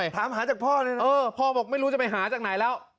ถามหาจากพ่อเลยนะเออพ่อบอกไม่รู้จะไปหาจากไหนแล้ว